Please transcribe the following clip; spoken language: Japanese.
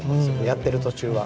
やってる途中は。